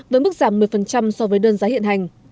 với mức giảm một mươi so với đơn giá hiện hành